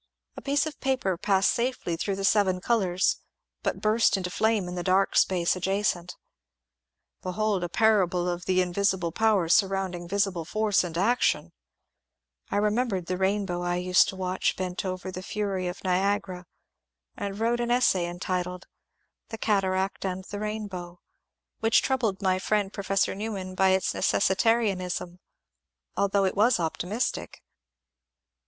A piece of paper passed safely through the seven colours burst into flame in the dark space adjacent. Behold a parable of the invisible power surround ing visible force and action I I remembered the rainbow *I used to watch bent over the fury of Niagara, and wrote an essay entitled " The Cataract and the Rainbow " which troubled my friend Professor Newman by its Necessitarianism, al though it was optimistic.